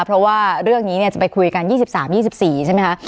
เพราะว่าเรื่องนี้จะไปคุยกัน๒๓๒๔ใช่ไหมคะ